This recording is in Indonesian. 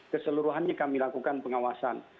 keseluruhannya kami lakukan pengawasan